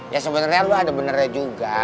ya sebenernya lo ada benernya juga